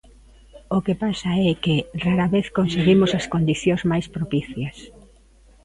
O que pasa é que, rara vez conseguimos as condicións máis propicias.